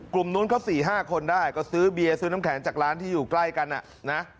กลุ่มนู้นเขา๔๕คนได้ก็ซื้อเบียร์ซื้อน้ำแข็งจากร้านที่อยู่ใกล้กันนะ